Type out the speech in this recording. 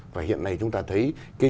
và hiện nay chúng ta thấy